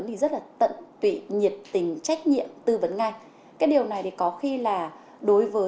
thì rất là tận tụy nhiệt tình trách nhiệm tư vấn ngay cái điều này thì có khi là đối với